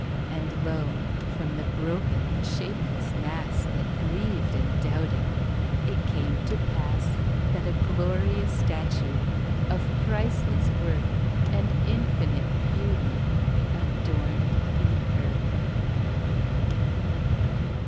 And lo! from the broken and shapeless mass That grieved and doubted, it came to pass That a glorious statue of priceless worth And infinite beauty adorned the earth.